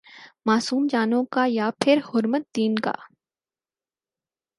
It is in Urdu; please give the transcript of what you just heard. معصوم جانوں کا یا پھرحرمت دین کا؟